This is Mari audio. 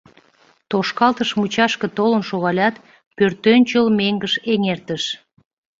Тошкалтыш мучашке толын шогалят, пӧртӧнчыл меҥгыш эҥертыш.